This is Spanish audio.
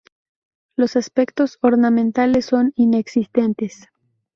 Los aspectos ornamentales son inexistentes.